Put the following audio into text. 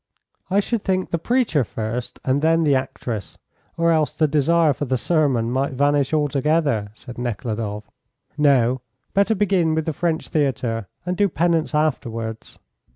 "I should think the preacher first and then the actress, or else the desire for the sermon might vanish altogether," said Nekhludoff. "No; better begin with the French Theatre, and do penance afterwards."